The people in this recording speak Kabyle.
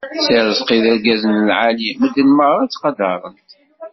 Si Rezqi d argaz n lɛali medden merra ttqadaren-t.